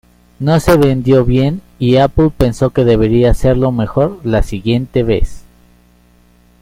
No se vendió bien y Apple pensó que debería hacerlo mejor la siguiente vez.